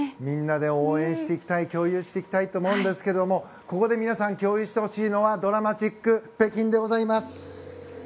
みんなで応援していきたい共有していきたいと思うんですがここで皆さん共有してほしいのは銅鑼マチック北京でございます。